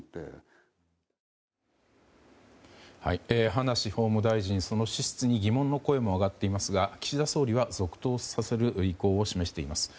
葉梨法務大臣、その資質に疑問の声も上がっていますが岸田総理は続投させる意向を示しています。